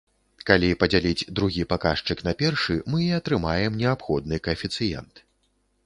Калі падзяліць другі паказчык на першы, мы і атрымаем неабходны каэфіцыент.